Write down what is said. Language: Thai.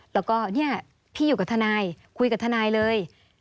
แล้วก็เนี่ยพี่อยู่กับทนายคุยกับทนายเลย